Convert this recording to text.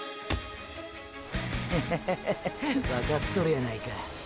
ッハハハハわかっとるやないか。